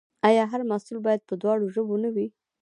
آیا هر محصول باید په دواړو ژبو نه وي؟